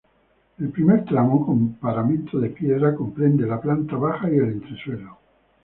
El primer tramo, con paramento de piedra, comprende la planta baja y el entresuelo.